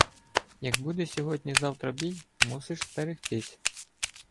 Як буде сьогодні-завтра бій, мусиш стерегтися.